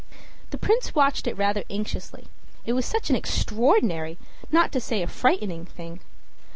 The Prince watched it rather anxiously; it was such an extraordinary, not to say a frightening, thing.